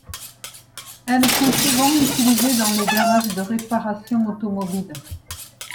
Elles sont souvent utilisées dans les garages de réparation automobile.